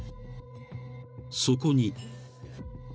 ［そこに］